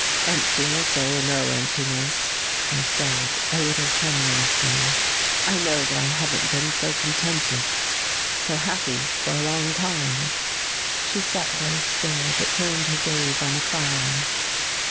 "Emptiness or no emptiness," I said a little tremulously, "I know that I haven't been so contented, so happy for a long time." She sat very still, but turned her gaze on the fire.